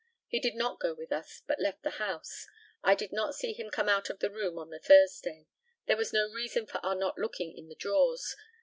He did not go with us, but left the house. I did not see him come out of the room on the Thursday. There was no reason for our not looking in the drawers.